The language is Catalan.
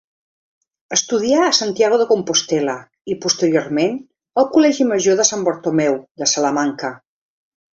Estudià a Santiago de Compostel·la i posteriorment al Col·legi Major de Sant Bartomeu, de Salamanca.